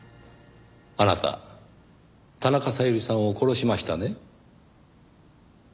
あなた田中小百合さんを殺しましたね？